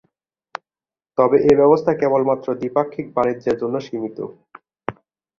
তবে এ ব্যবস্থা কেবলমাত্র দ্বিপাক্ষিক বাণিজ্যের জন্য সীমিত।